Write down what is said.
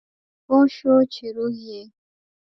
پوه شو چې روح یې